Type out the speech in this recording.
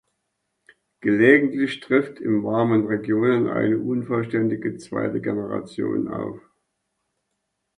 Gelegentlich tritt in warmen Regionen eine unvollständige zweite Generation auf.